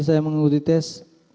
saya mengikuti tes